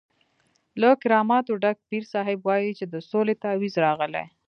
له کراماتو ډک پیر صاحب وایي چې د سولې تعویض راغلی.